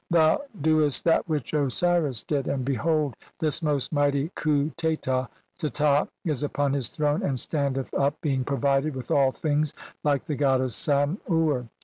Thou doest that which Osiris did, and be "hold, this most mighty Khu Teta is upon his throne "and standeth up, being provided [with all things] like "the goddess Sam ur.